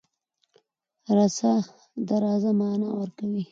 رڅه .د راځه معنی ورکوی